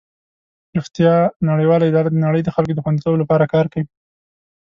روغتیا نړیواله اداره د نړۍ د خلکو د خوندیتوب لپاره کار کوي.